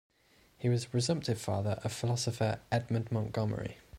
He was the presumptive father of philosopher Edmund Montgomery.